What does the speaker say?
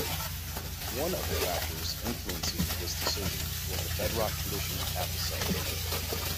One of the factors influencing this decision was the bedrock condition at the site.